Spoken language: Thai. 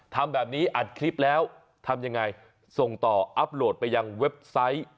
ทำแบบนี้อัดคลิปแล้วทำยังไงส่งต่ออัพโหลดไปยังเว็บไซต์